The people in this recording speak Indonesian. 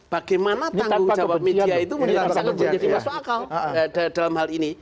bagaimana tanggung jawab media itu sangat menjadi masuk akal dalam hal ini